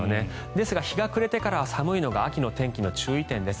ですが、日が暮れてからは寒いのが秋の天気の注意点です。